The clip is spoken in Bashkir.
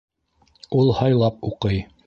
Ул һайлап уҡый